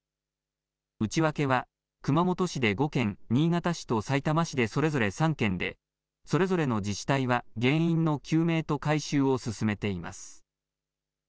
内訳は熊本市で５件、新潟市とさいたま市でそれぞれ３件でそれぞれの自治体は原因の究明と改修を進めています。